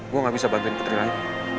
gue gak bisa bantuin putri lagi